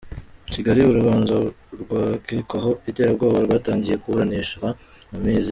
Kigali: Urubanza rw’ abakekwaho iterabwoba rwatangiye kuburanishwa mu mizi .